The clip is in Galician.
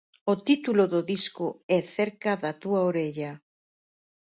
O título do disco é Cerca da túa orella.